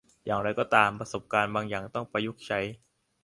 อย่างไรก็ตาม ประสบการณ์บางอย่างต้องประยุกต์ใช้